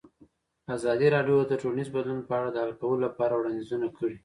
ازادي راډیو د ټولنیز بدلون په اړه د حل کولو لپاره وړاندیزونه کړي.